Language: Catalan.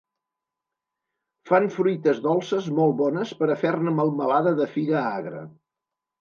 Fan fruites dolces molt bones per a fer-ne melmelada de figa agra.